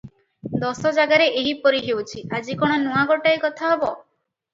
ଦଶ ଜାଗାରେ ଏହିପରି ହେଉଛି, ଆଜି କଣ ନୂଆ ଗୋଟାଏ କଥା ହେବ?